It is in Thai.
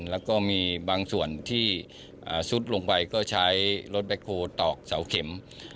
แล้วก็มีบางส่วนที่ซุดลงไปก็ใช้รถแบ็คโฮลตอกเสาเข็ม